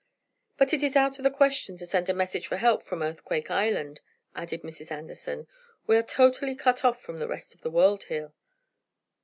"But it is out of the question to send a message for help from Earthquake Island," added Mrs. Anderson. "We are totally cut off from the rest of the world here."